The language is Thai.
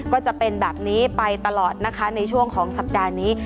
ก็จะเป็นแบบนี้ไปตลอดนะคะในช่วงของสัปดาห์นี้